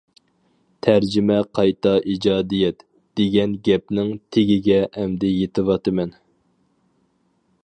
«تەرجىمە قايتا ئىجادىيەت» دېگەن گەپنىڭ تېگىگە ئەمدى يېتىۋاتىمەن.